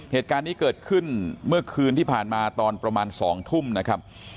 เหตุการณ์นี้เกิดขึ้นเมื่อคืนที่ผ่านมาตอนประมาณ๒ทุ่มนะครับ